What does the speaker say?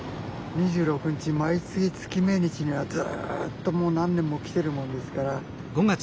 ２６日毎月月命日にはずっともう何年も来てるもんですから。